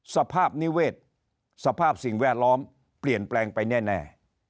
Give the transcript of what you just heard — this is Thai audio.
สภาพนิเวศสภาพสิ่งแวดล้อมเปลี่ยนแปลงไปแน่